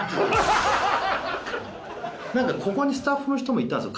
ここにスタッフの人もいたんですよ